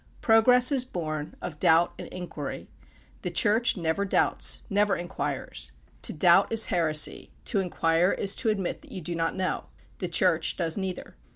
Progress is born of doubt and inquiry. The Church never doubts never inquires. To doubt is heresy to inquire is to admit that you do not know the Church does neither.